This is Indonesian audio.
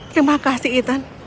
terima kasih ethan